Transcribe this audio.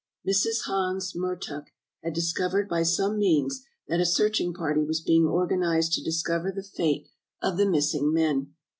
"Mrs. Hans [Mertuk] had discovered by some means that a searching party was being organized to discover the fate of the missing men.